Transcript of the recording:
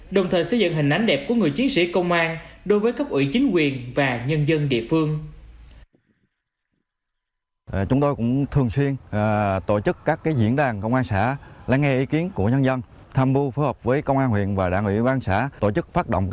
đồng thời xây dựng hình ánh đẹp của người chiến sĩ công an đối với cấp ủy chính quyền và nhân dân địa phương